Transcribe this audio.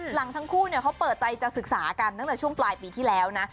ทั้งคู่เขาเปิดใจจะศึกษากันตั้งแต่ช่วงปลายปีที่แล้วนะ